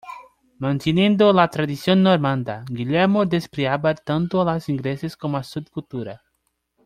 Manteniendo la tradición normanda, Guillermo despreciaba tanto a los ingleses como a su cultura.